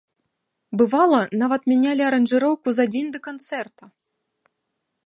Бывала, нават мянялі аранжыроўку за дзень да канцэрта.